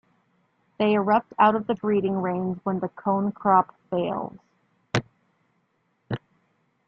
They erupt out of the breeding range when the cone crop fails.